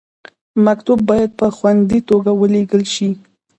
مکتوب باید په خوندي توګه ولیږل شي.